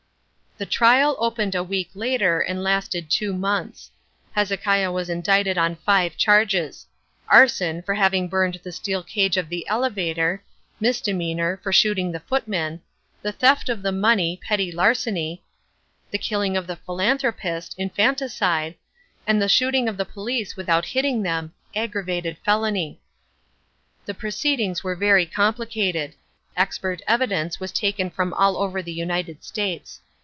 The trial opened a week later, and lasted two months. Hezekiah was indicted on five charges—arson, for having burned the steel cage of the elevator; misdemeanour, for shooting the footman; the theft of the money, petty larceny; the killing of the philanthropist, infanticide; and the shooting at the police without hitting them, aggravated felony. The proceedings were very complicated—expert evidence was taken from all over the United States.